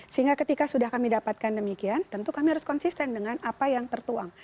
sehingga ketika sudah kami dapatkan demikian tentu kami harus konsisten dengan apa yang tertuang